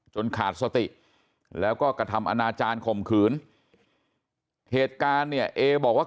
ขาดสติแล้วก็กระทำอนาจารย์ข่มขืนเหตุการณ์เนี่ยเอบอกว่า